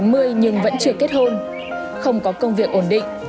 anh trung đã ngoài bốn mươi nhưng vẫn chưa kết hôn không có công việc ổn định